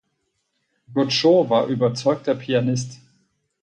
Godchaux war überzeugter Pianist.